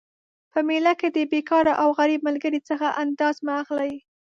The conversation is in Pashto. په میله کي د بیکاره او غریب ملګري څخه انداز مه اخلئ